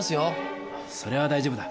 それは大丈夫だ。